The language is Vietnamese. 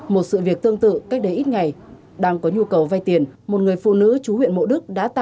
một sự việc tương tự cách đấy ít ngày đang có nhu cầu vay tiền một người phụ nữ chủ huyện mộ đức đã tải vay tiền